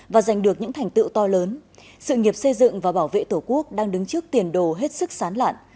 và giành được những thành tựu to lớn sự nghiệp xây dựng và bảo vệ tổ quốc đang đứng trước tiền đồ hết sức sán lạn